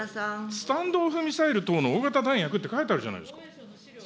スタンド・オフ・ミサイル等の大型弾薬って書いてあるじゃないですか。